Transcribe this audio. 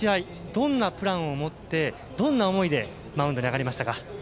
どんなプランを持ってどんな思いでマウンドに上がりましたか。